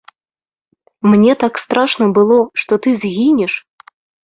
Мне так страшна было, што ты згінеш.